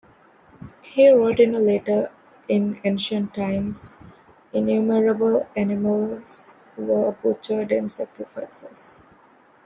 He wrote in a letter:In ancient times, innumerable animals were butchered in sacrifices.